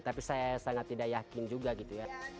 tapi saya sangat tidak yakin juga gitu ya